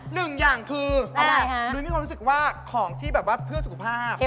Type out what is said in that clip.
หนึ่งอย่างคืออะไรนุ้ยมีความรู้สึกว่าของที่แบบว่าเพื่อสุขภาพ